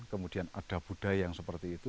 kemudian ada budaya yang seperti itu